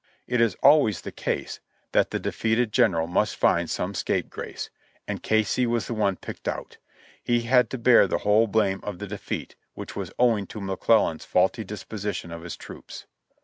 It is alwavs the case that the defeated s'en THE BATTLE OF SEVEN PINES . 1 45 eral must find some scapegrace, and Casey was the one picked out, and he had to bear the whole blame of the defeat, which was owing to McClellan's faulty disposition of his troops.